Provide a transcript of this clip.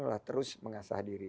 adalah terus mengasah diri